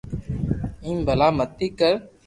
ايم ڀللا متي ڪر